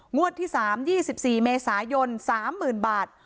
งวดที่๓๒๔เมษายน๓๐๐๐บาท